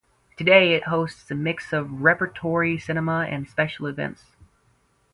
Today, it hosts a mix of repertory cinema and special events.